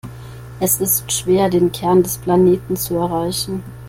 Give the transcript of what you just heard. Es ist schwer, den Kern des Planeten zu erreichen.